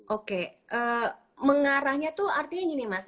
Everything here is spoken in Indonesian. oke mengarahnya tuh artinya gini mas